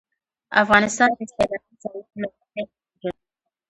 افغانستان د سیلاني ځایونو له مخې هم پېژندل کېږي.